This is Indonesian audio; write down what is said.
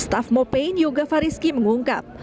staff mopane yoga farisky mengungkap